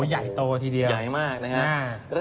ใหญ่มากนะครับ